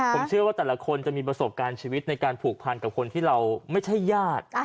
ผมเชื่อว่าแต่ละคนจะมีประสบการณ์ชีวิตในการผูกพันกับคนที่เราไม่ใช่ญาติ